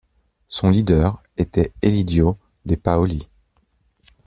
Son leader était Elidio De Paoli.